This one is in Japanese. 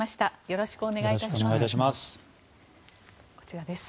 よろしくお願いします。